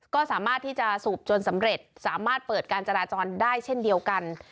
ก็สามารถที่จะสูบจนสำเร็จสามารถเปิดการจราจรได้เช่นเดียวกัน